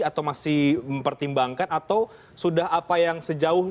atau masih mempertimbangkan atau sudah apa yang sejauh ini